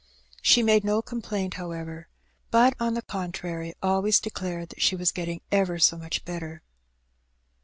She made no complaint, however; but, on the contrary, always declared that she was getting ever so much better.